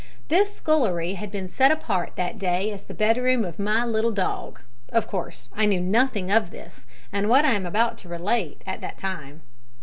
This scullery had been set apart that day as the bedroom of my little dog. (Of course I knew nothing of this, and what I am about to relate, at that time.